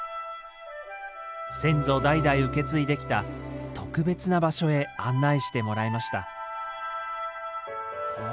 先祖代々受け継いできた特別な場所へ案内してもらいましたうわ